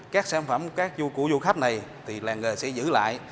các sản phẩm các vũ khí của du khách này thì làng nghề sẽ giữ lại